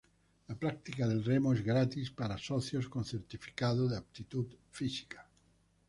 La práctica del remo es gratis para socios con certificado de aptitud física.